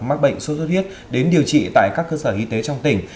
mắc bệnh sốt xuất huyết đến điều trị tại các cơ sở y tế trong tỉnh